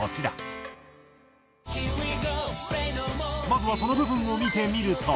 まずはその部分を見てみると。